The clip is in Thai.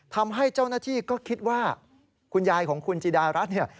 ทำให้เจ้าหน้าที่ก็คิดว่าคุณยายของคุณจิดารัฐเนี่ย